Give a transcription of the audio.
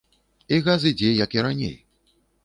І газ ідзе як і раней.